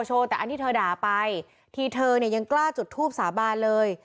แต่อันที่เธอด่าไปทีเธอเนี่ยยังกล้าจุดทูบสาบานเลย